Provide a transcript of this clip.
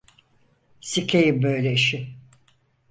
Sikeyim böyle işi!